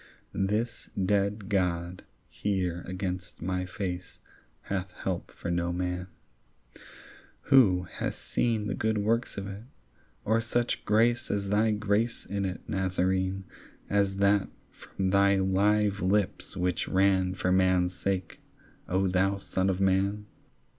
This dead God here against my face Hath help for no man; who hath seen The good works of it, or such grace As thy grace in it, Nazarene, As that from thy live lips which ran For man's sake, O thou son of man?